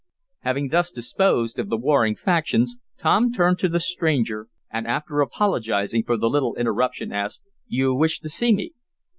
Having thus disposed of the warring factions, Tom turned to the stranger and after apologizing for the little interruption, asked: "You wished to see me?"